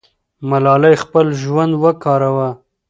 ملالۍ خپل ژوند ورکاوه.